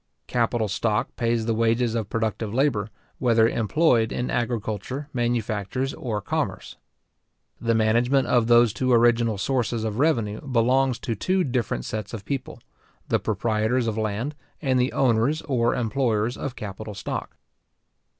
Capital stock pays the wages of productive labour, whether employed in agriculture, manufactures, or commerce. The management of those two original sources of revenue belongs to two different sets of people; the proprietors of land, and the owners or employers of capital stock.